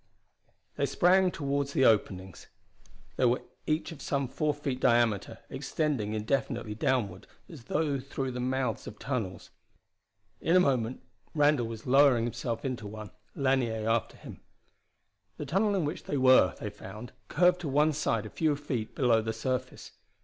They sprang toward the openings. They were each of some four feet diameter, extending indefinitely downward as though the mouths of tunnels. In a moment Randall was lowering himself into one, Lanier after him. The tunnel in which they were, they found, curved to one side a few feet below the surface.